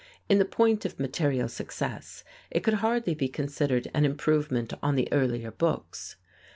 In the point of material success, it could hardly be considered an improvement on the earlier books.